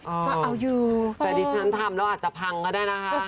ก็เอาอยู่แต่ดิฉันทำแล้วอาจจะพังก็ได้นะคะ